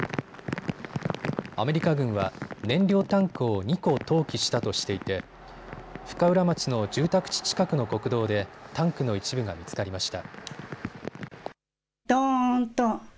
アメリカ軍は燃料タンクを２個投棄したとしていて深浦町の住宅地近くの国道でタンクの一部が見つかりました。